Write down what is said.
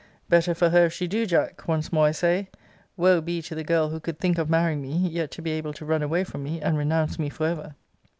Better for her, if she do, Jack, once more I say! Woe be to the girl who could think of marrying me, yet to be able to run away from me, and renounce me for ever!